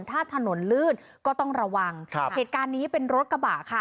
ถ้าถนนลื่นก็ต้องระวังครับเหตุการณ์นี้เป็นรถกระบะค่ะ